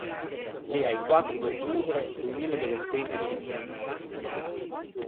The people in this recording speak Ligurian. L’ea i quattro d’ötobre do mille neuve çento çinquanta.